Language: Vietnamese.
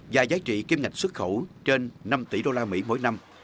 và giá trị kiêm ngạch xuất khẩu trên năm tỷ đô la mỹ mỗi năm